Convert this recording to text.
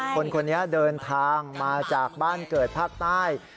คนนี้เดินทางมาจากบ้านเกิดภาคใต้